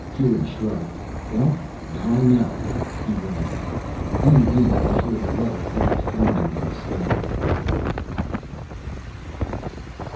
Kieran shrugged. "Well, now I know." He ran. Only then did he hear the low heavy thrumming in the sky.